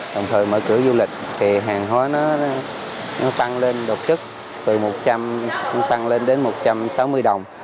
đồng thời mở cửa du lịch thì hàng hóa nó tăng lên đột sức từ một trăm linh tăng lên đến một trăm sáu mươi đồng